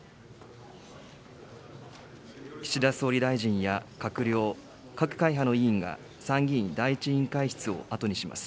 岸田総理大臣や閣僚、各会派の委員が参議院第１委員会室を後にします。